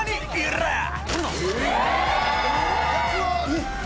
えっ！？